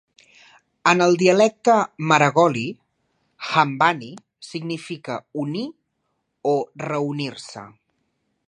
En el dialecte maragoli, "hambani" significa "unir" o "reunir-se".